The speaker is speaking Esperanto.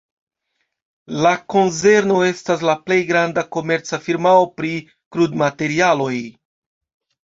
La konzerno estas la plej granda komerca firmao pri krudmaterialoj.